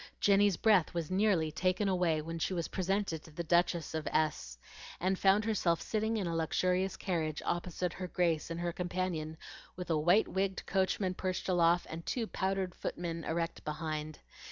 Jenny's breath was nearly taken away when she was presented to the Duchess of S , and found herself sitting in a luxurious carriage opposite her Grace and her companion, with a white wigged coachman perched aloft and two powdered footmen erect behind.